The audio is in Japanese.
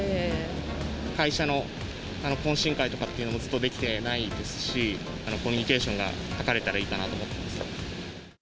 会社の懇親会とかっていうの、ずっとできていないですし、コミュニケーションが図れたらいいかなと思ってます。